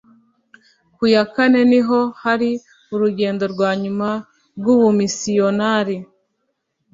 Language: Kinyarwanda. Ku ya kane niho hari urugendo rwa nyuma rw'ubumisiyonari